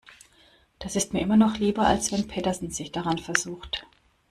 Das ist mir immer noch lieber, als wenn Petersen sich daran versucht.